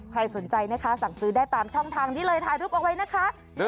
ใครสนใจนะคะสั่งซื้อได้ตามช่องทางนี้เลยถ่ายรูปเอาไว้นะคะ